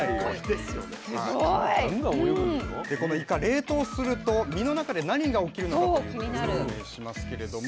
でこのイカ冷凍すると身の中で何が起きるのかということを説明しますけれども。